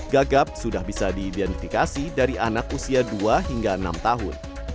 gagap sudah bisa diidentifikasi dari anak usia dua hingga enam tahun